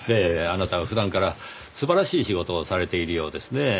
あなたは普段から素晴らしい仕事をされているようですねぇ。